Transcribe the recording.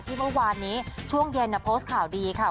เมื่อวานนี้ช่วงเย็นโพสต์ข่าวดีค่ะ